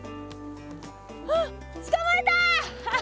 あっつかまえた！ハハハ。